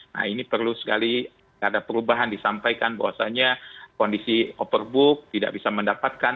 nah ini perlu sekali ada perubahan disampaikan bahwasannya kondisi overbook tidak bisa mendapatkan